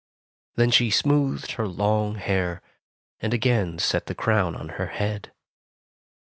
Then she smoothed her long hair, and again set the crown on her head.